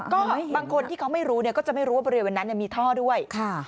ก็บางคนที่เขาไม่รู้ก็จะไม่รู้ว่าบริเวณนั้นมีท่อด้วย